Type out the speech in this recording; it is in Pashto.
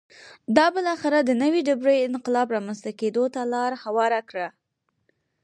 دا بالاخره د نوې ډبرې انقلاب رامنځته کېدو ته لار هواره کړه